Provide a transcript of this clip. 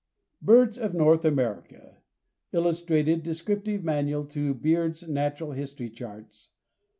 =Birds of North America.= Illustrated Descriptive Manual to Beard's Natural History Charts.